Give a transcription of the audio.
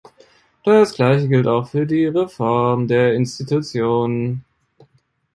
Das gleiche gilt auch für die Reform der Institutionen.